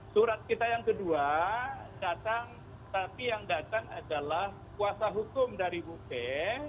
surat kita yang kedua datang tapi yang datang adalah kuasa hukum dari bu p